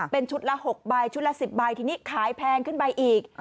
เป็นชุดละ๖ใบชุดละ๑๐ใบทีนี้ขายแพงขึ้นไปอีก